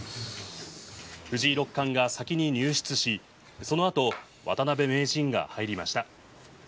藤井六冠が先に入室しその後、渡辺名人が入りました。